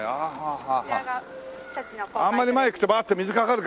あんまり前に行くとバーッて水かかるからな。